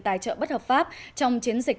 tài trợ bất hợp pháp trong chiến dịch